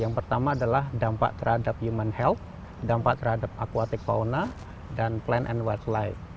yang pertama adalah dampak terhadap human health dampak terhadap aquatic fauna dan plan and whitellife